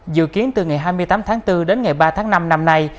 dự kiến từ ngày hai mươi tám tháng bốn đến ngày ba tháng năm năm nay